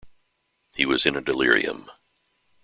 He was in a delirium.